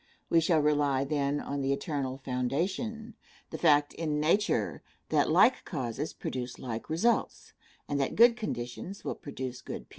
We shall rely, then, on the eternal foundation the fact in nature that like causes produce like results, and that good conditions will produce good people.